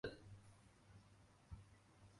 为铁木真的母亲诃额仑养子。